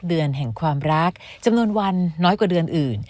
เดือนแห่งความรักจำนวนวันน้อยกว่าเดือนอื่น